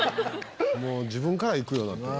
もう自分からいくようになってる。